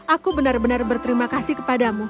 aku benar benar berterima kasih kepadamu